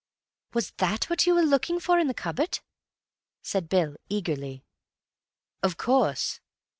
"Was that what you were looking for in the cupboard?" said Bill eagerly. "Of course.